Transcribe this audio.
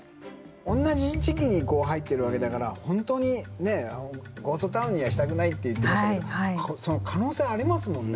おんなじ時期に入ってるわけだから本当にゴーストタウンにはしたくないって言ってましたけどその可能性はありますもんね？